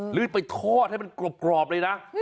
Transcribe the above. ไปทอดให้มันกรอบเลยนะ